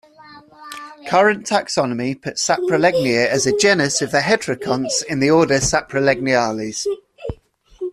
Current taxonomy puts Saprolegnia as a genus of the heterokonts in the order Saprolegniales.